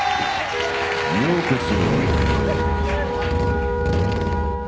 ようこそ。